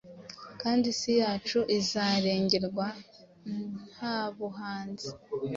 kandi isi yacu izarengerwa Nta buhanzi.